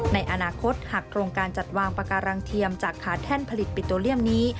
ในอนาคตหากโครงการจัดวางปาการังเทียมจากขาแท่นผลิตปิโตเลียมนี้